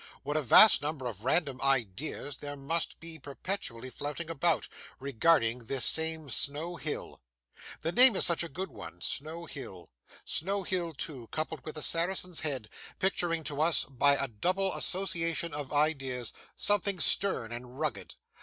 What a vast number of random ideas there must be perpetually floating about, regarding this same Snow Hill. The name is such a good one. Snow Hill Snow Hill too, coupled with a Saracen's Head: picturing to us by a double association of ideas, something stern and rugged!